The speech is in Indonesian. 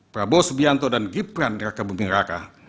praboh subianto dan gibrane raka bumbing raka